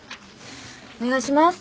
お願いします。